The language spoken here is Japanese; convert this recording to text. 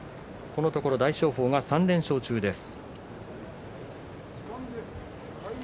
このところ大翔鵬が３連勝中です。